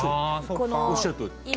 おっしゃるとおり。